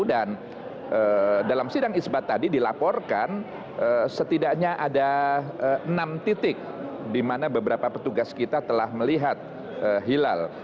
dan dalam sidang isbat tadi dilaporkan setidaknya ada enam titik di mana beberapa petugas kita telah melihat hilal